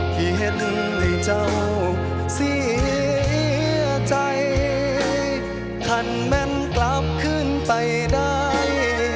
ที่เห็นให้เจ้าเสียใจท่านแม่นกลับขึ้นไปได้